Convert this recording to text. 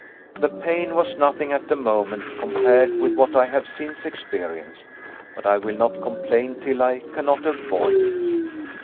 "The pain was nothing at the moment compared with what I have since experienced: but I will not complain till I cannot avoid it.